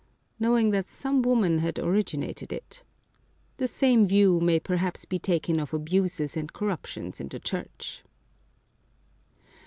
" knowing that some woman had originated it. The same view may perhaps be taken of abuses and corruptions in the Church.